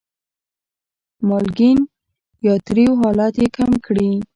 مالګین یا تریو حالت یې کم کړي.